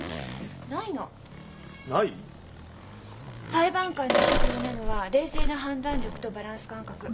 裁判官に必要なのは冷静な判断力とバランス感覚。